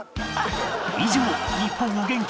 以上日本を元気に！